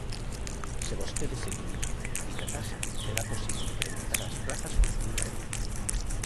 Se vostedes eliminan a dita taxa, será posible incrementar as prazas cumprindo a lei.